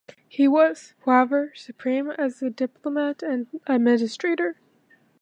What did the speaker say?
He was, however, supreme as a diplomat and administrator.